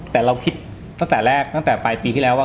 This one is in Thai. แต่เราคิดตั้งแต่แรกตั้งแต่ปลายปีที่แล้วว่า